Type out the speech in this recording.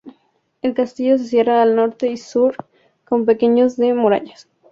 El castillo se cierra al norte y sur con paños de muralla.